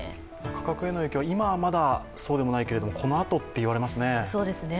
価格への影響は、今はまだそうでもないけれども、このあとっていわれますね。